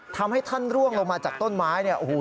ทำให้ท่านร่วงลงมาจากต้นไม้เนี่ยโอ้โห